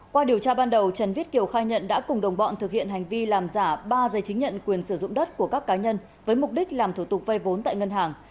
qua điều tra ban đầu trần viết kiều khai nhận đã cùng đồng bọn thực hiện hành vi làm giả ba giấy chứng nhận quyền sử dụng đất của các cá nhân với mục đích làm thủ tục vay vốn tại ngân hàng